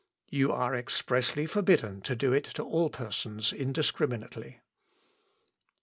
You are expressly forbidden to do it to all persons indiscriminately."